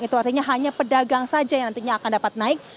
itu artinya hanya pedagang saja yang nantinya akan dapat naik